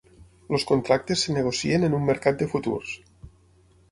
Els contractes es negocien en un mercat de futurs.